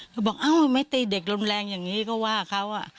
เขาบอกอ้าวไม่ตีเด็กรุนแรงอย่างนี้ก็ว่าเขา